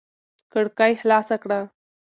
کړکۍ خلاصه کړه.